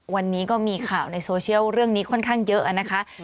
วันนี้ก็มีข่าวในโซเชียลเรื่องนี้ค่อนข้างเยอะนะคะ